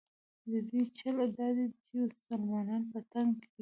د دوی چل دا دی چې مسلمانان په تنګ کړي.